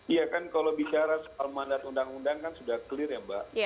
iya kan kalau bicara soal mandat undang undang kan sudah clear ya mbak